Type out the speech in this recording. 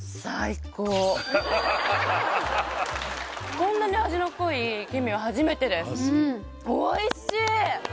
こんなに味の濃い金目は初めてですおいしい！